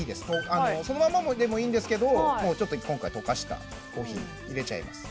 あのそのままでもいいんですけどもうちょっと今回溶かしたコーヒー入れちゃいます